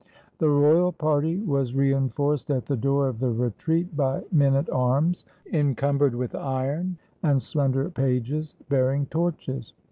The royal party was reinforced at the door of the retreat by men at arms encumbered with iron, and slender pages bearing torches.